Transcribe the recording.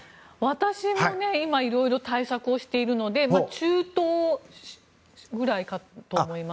私も今、いろいろ対策をしているので中等ぐらいかと思います。